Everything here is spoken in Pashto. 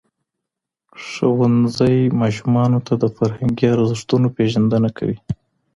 ښوونځی ماشومانو ته د فرهنګي ارزښتونو پېژندنه کوي.